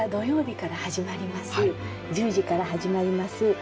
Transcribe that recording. １０時から始まります